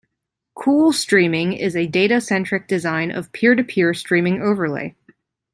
Coolstreaming is a data-centric design of peer-to-peer streaming overlay.